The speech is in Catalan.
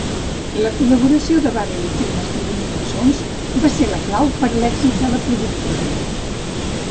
La col·laboració de Barry i Kim escrivint cançons va ser la clau per l'èxit de la productora.